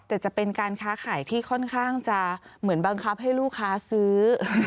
แต่จะเป็นการค้าขายที่ค่อนข้างจะเหมือนบังคับให้ลูกค้าซื้อ